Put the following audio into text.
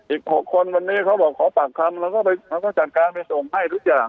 อีก๖คนวันนี้เขาบอกขอปากคำแล้วก็จัดการไปส่งให้ทุกอย่าง